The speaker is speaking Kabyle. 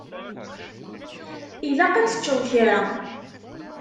Ilaq ad teččeḍ kra.